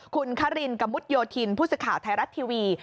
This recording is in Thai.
คุณคารินกะมุดโยธินผู้สื่อข่าวไทยรัฐทีวี